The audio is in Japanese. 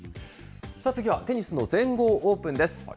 次はテニスの全豪オープンです。